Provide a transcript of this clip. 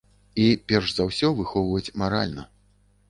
І перш за ўсё выхоўваць маральна.